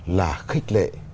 là khích lệ